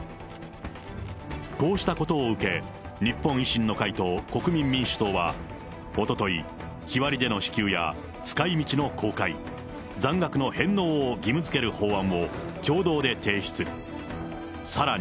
こうしたことを受け、日本維新の会と国民民主党は、おととい、日割りでの支給や使いみちの公開、残額の返納を義務づける法案を共同で提出。